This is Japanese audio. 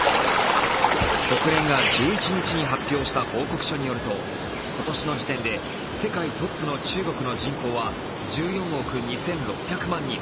国連が１１日に発表した報告書によると、今年の時点で世界トップの中国の人口は１４億２６００万人。